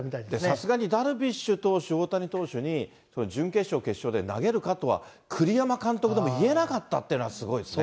さすがにダルビッシュ投手、大谷投手に準決勝、決勝で投げるかとは、栗山監督でも言えなかったってのはすごいですね。